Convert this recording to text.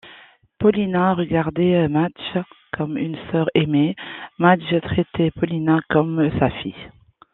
Paulina regardait Madge comme une sœur aînée ; Madge traitait Paulina comme sa fille.